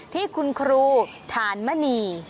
ที่คุณครูฐานมณี